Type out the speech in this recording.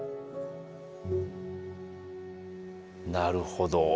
なるほど。